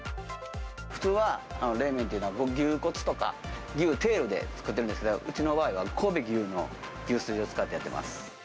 普通は冷麺っていうのは牛骨とか牛テールで作ってるんですけど、うちの場合は神戸牛の牛すじを使ってやってます。